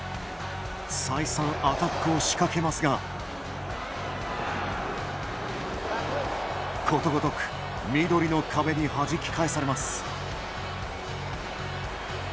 再三、アタックを仕掛けますがことごとく緑の壁にはじき返されます。